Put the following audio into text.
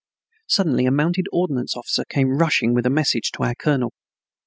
Suddenly a mounted ordnance officer came rushing with a message to our colonel.